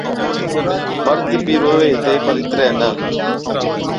مرد بِي رووَي ھِتي پر اِتري نہ